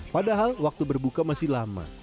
padahal waktu berbuka masih lama